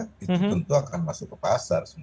itu tentu akan masuk ke pasar